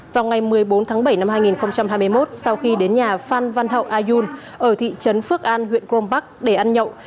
vào ngày một mươi bốn tháng bảy năm hai nghìn hai mươi một sau khi đến nhà phan văn hậu ayun ở thị trấn phước an huyện crong park để ăn nhậu